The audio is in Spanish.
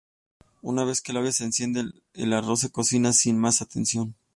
Una vez que la olla se enciende, el arroz se cocina sin más atención.